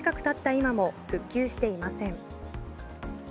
今も復旧していません。